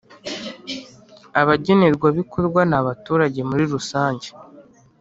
Abagenerwa bikorwa ni abaturage muri rusange